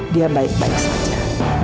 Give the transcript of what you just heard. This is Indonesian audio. dia baik baik saja